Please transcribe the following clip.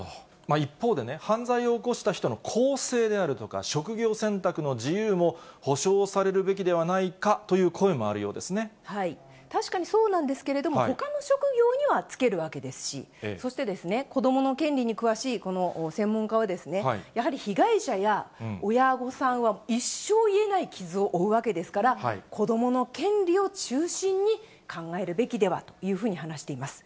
一方で、犯罪を起こした人の更生であるとか、職業選択の自由も保障されるべきではないかという声もあるようで確かにそうなんですけれども、ほかの職業には就けるわけですし、そして子どもの権利に詳しい専門家は、やはり被害者や親御さんは一生癒えない傷を負うわけですから、子どもの権利を中心に考えるべきではというふうに話しています。